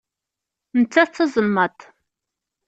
Nettat d tazelmaḍt.